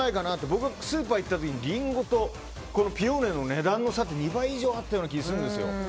僕はスーパーに行った時にリンゴとピオーネの値段の差って２倍以上あった気がするんですよ。